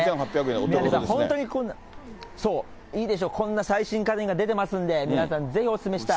本当に、そう、いいでしょ、こんな最新家電が出てますんで、皆さん、ぜひお勧めしたい。